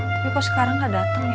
tapi kok sekarang gak dateng ya